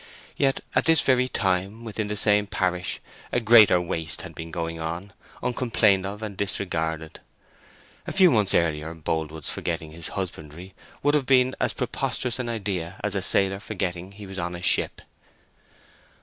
Yet at this very time, within the same parish, a greater waste had been going on, uncomplained of and disregarded. A few months earlier Boldwood's forgetting his husbandry would have been as preposterous an idea as a sailor forgetting he was in a ship.